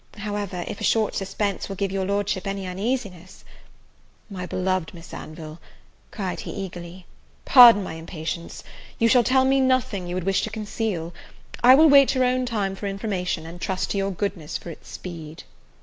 However, if a short suspense will give your Lordship any uneasiness, " "My beloved Miss Anville," cried he, eagerly, "pardon my impatience! You shall tell me nothing you would wish to conceal, I will wait your own time for information, and trust to your goodness for its speed."